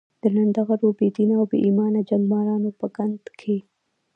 د لنډه غرو، بې دینه او بې ایمانه جنګمارانو په ګند کې.